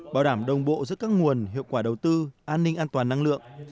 bảo đảm đồng bộ giữa các nguồn hiệu quả đầu tư an ninh an toàn năng lượng